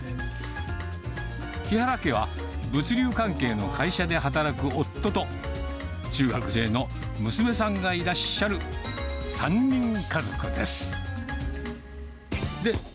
木原家は、物流関係の会社で働く夫と、中学生の娘さんがいらっしゃる３人家族です。